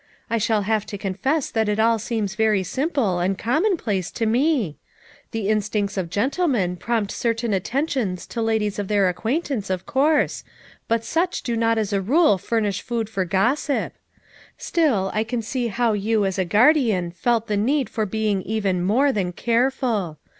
I shall have to confess that it all seems very simple and commonplace to me, The in stincts of gentlemen prompt certain attentions to ladies of their acquaintance, of course, but such do not as a rule furnish food for gossip. Still, I can see how you as a guardian felt the need for being even more than careful.